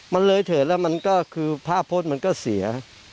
มันเลยเถิดแล้วมันก็คือภาพโพสต์มันก็เสีย